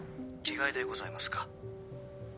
着替えでございますか。